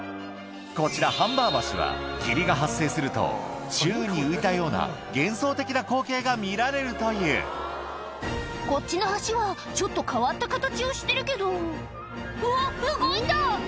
こちらハンバー橋は霧が発生すると宙に浮いたような幻想的な光景が見られるというこっちの橋はちょっと変わった形をしてるけどうわ動いた！